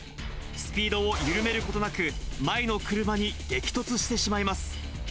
スピードを緩めることなく、前の車に激突してしまいます。